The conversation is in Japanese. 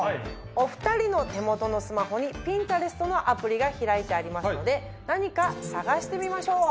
お２人の手元のスマホにピンタレストのアプリが開いてありますので何か探してみましょう。